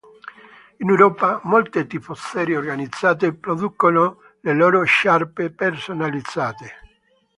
In Europa molte tifoserie organizzate producono le loro sciarpe personalizzate.